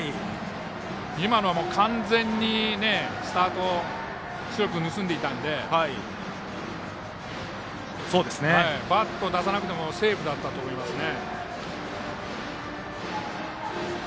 今のは完全にスタートを代木君、盗んでいたのでバットを出さなくてもセーフだったと思いますね。